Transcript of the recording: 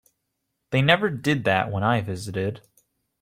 They never did that when I visited.